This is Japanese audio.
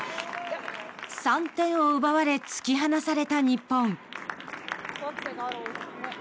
３点を奪われ突き放された日本。